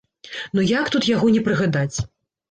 Ну як тут яго не прыгадаць!